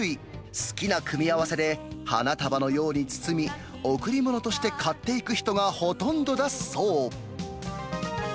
好きな組み合わせで、花束のように包み、贈り物として買っていく人がほとんどだそう。